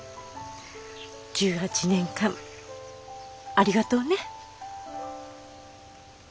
１８年間ありがとうね。